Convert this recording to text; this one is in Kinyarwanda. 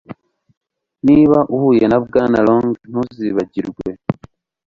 Niba uhuye na Bwana Long ntuzibagirwe